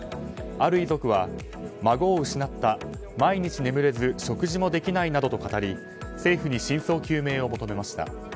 ある遺族は、孫を失った毎日眠れず食事もできないなどと語り政府に真相究明を求めました。